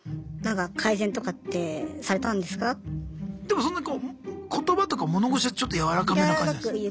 でもそんなこう言葉とか物腰はちょっとやわらかめな感じですか？